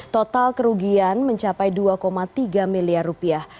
total kerugian mencapai dua tiga miliar rupiah